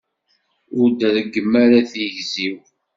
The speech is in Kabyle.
Ur d-reggem ara tigzi-w.